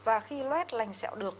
và khi lết lành sẹo được